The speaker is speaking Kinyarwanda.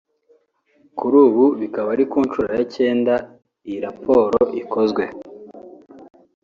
kuri ubu bikaba ari ku nshuro ya cyenda iyi raporo ikozwe